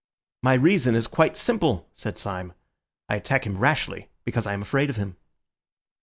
"My reason is quite simple," said Syme. "I attack him rashly because I am afraid of him."